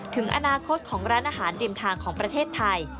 ถึงอนาคตของร้านอาหารริมทางของประเทศไทย